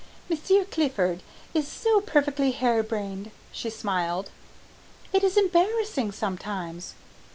"Monsieur Clifford is so perfectly harebrained," she smiled, "it is embarrassing sometimes.